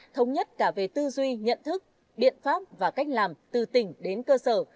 thống nhất cả về tư duy nhận thức biện pháp và cách làm từ tỉnh đến cơ sở